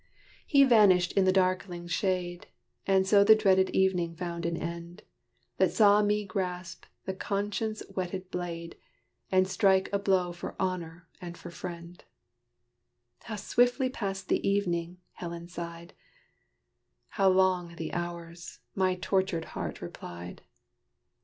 He vanished in the darkling shade; And so the dreaded evening found an end, That saw me grasp the conscience whetted blade, And strike a blow for honor and for friend. "How swiftly passed the evening!" Helen sighed. "How long the hours!" my tortured heart replied.